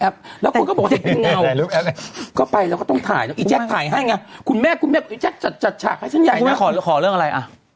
จัดฉากให้ฉันใหญ่นะครับก่อนนะครับแล้วก็ขอเรื่องอะไรอ่ะ